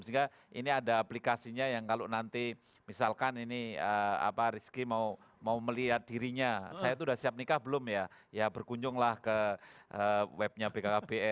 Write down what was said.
sehingga ini ada aplikasinya yang kalau nanti misalkan ini rizky mau melihat dirinya saya sudah siap nikah belum ya berkunjunglah ke webnya bkkbn